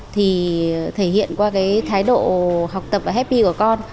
thì thể hiện qua cái thái độ học tập và happy của con